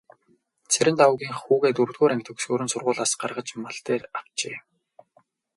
Цэрэндагвынх хүүгээ дөрөвдүгээр анги төгсөхөөр нь сургуулиас гаргаж мал дээр авчээ.